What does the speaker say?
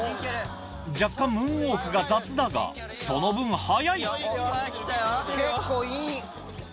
若干ムーンウォークが雑だがその分速い結構いい！